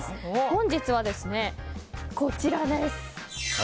本日は、こちらです。